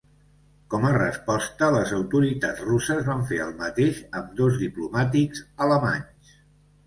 Com a resposta, les autoritats russes van fer el mateix amb dos diplomàtics alemanys.